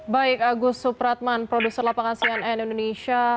baik agus supratman produser lapangan cnn indonesia